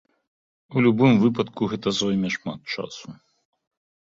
У любым выпадку, гэта зойме шмат часу.